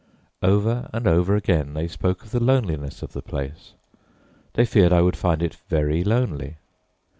Over and over again they spoke of the loneliness of the place. They feared I would find it very lonely.